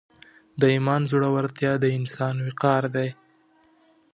د ایمان زړورتیا د انسان وقار دی.